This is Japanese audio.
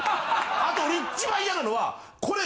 あと俺一番嫌なのは。